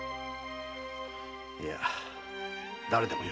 いや誰でもよい。